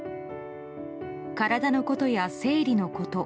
体のことや生理のこと